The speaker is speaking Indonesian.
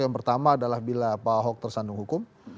yang pertama adalah bila pak ahok tersandung hukum